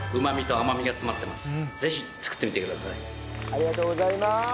ありがとうございます。